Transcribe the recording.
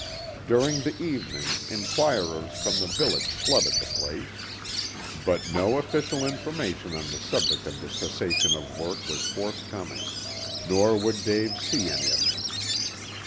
During the evening inquirers from the village flooded the place. But no official information on the subject of the cessation of work was forthcoming, nor would Dave see any of them.